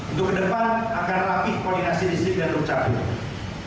untuk ke depan akan rapi koordinasi bistik dan dukcapil